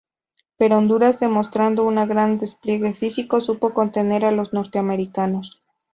Pero Honduras, demostrando una gran despliegue físico, supo contener a los norteamericanos.